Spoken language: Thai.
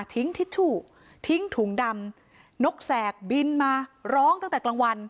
ทิ้งทิชชู่ทิ้งถุงดำนกแสกบินมาร้องตั้งแต่กลางวัน